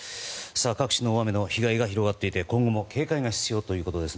各地の大雨の被害が広がっていて今後も警戒が必要です。